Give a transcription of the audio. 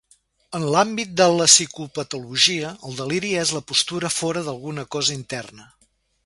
En l'àmbit de la psicopatologia, el deliri és la postura fora d'alguna cosa interna.